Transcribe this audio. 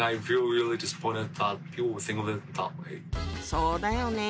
そうだよね。